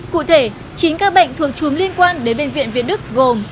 cụ thể chín ca bệnh thuộc trùm liên quan đến bệnh viện việt đức gồm